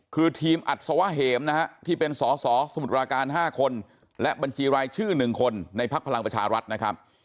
คือทีมอัศวะเหมนะฮะที่เป็นสอสอสมุทรปราการ๕คนและบัญชีรายชื่อ๑คนในพักพลังประชารัฐนะครับ